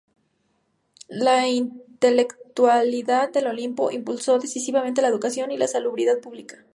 La intelectualidad del Olimpo impulsó decisivamente la educación y la salubridad pública.